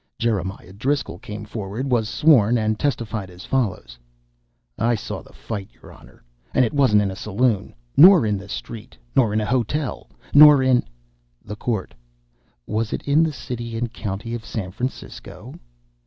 Jeremiah Driscoll came forward, was sworn, and testified as follows: "I saw the fight, your Honor, and it wasn't in a saloon, nor in the street, nor in a hotel, nor in " THE COURT. "Was it in the city and county of San Francisco!"